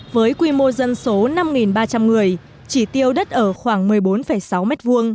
với quy mô dân số năm ba trăm linh người chỉ tiêu đất ở khoảng một mươi bốn sáu m hai